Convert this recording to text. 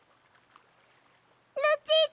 ルチータ！